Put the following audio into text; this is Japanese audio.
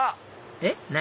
えっ何？